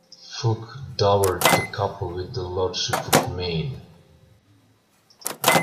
Fulk dowered the couple with the lordship of Maine.